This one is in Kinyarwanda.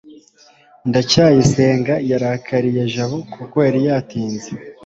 ndacyayisenga yarakariye jabo kuko yari yatinze